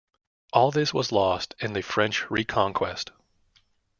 All this was lost in the French reconquest.